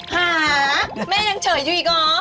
หาแม่ยังเฉยอยู่อีกหรอ